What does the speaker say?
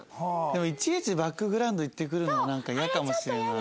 でもいちいちバックグラウンド言ってくるのもなんかイヤかもしれない。